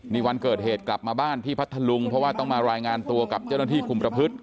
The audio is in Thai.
นี่วันเกิดเหตุกลับมาบ้านที่พัทธลุงเพราะว่าต้องมารายงานตัวกับเจ้าหน้าที่คุมประพฤติ